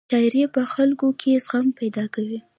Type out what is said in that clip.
شاعرۍ په خلکو کې زغم پیدا کاوه.